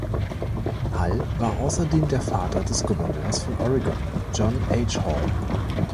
Hall war außerdem der Vater des Gouverneurs von Oregon, John H. Hall.